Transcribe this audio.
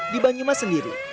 di banyumas sendiri